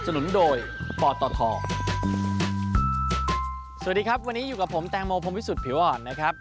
สวัสดีครับวันนี้อยู่กับผมแตงโมพรมวิสุทธิผิวอ่อนนะครับ